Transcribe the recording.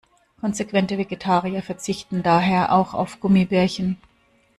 Konsequente Vegetarier verzichten daher auch auf Gummibärchen.